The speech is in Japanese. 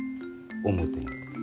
表に。